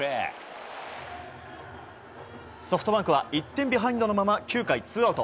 ソフトバンクは１点ビハインドのまま９回ツーアウト。